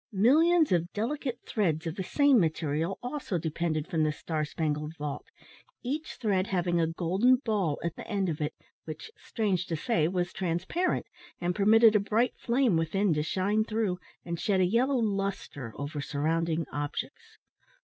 Millions of delicate threads of the same material also depended from the star spangled vault, each thread having a golden ball at the end of it, which, strange to say, was transparent, and permitted a bright flame within to shine through, and shed a yellow lustre over surrounding objects.